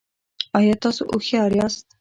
ایا تاسو هوښیار یاست؟